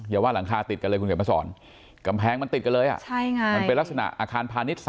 อย่าว่าหลังคาติดกันเลยคุณเกิดมาสอนกำแพงมันติดกันเลย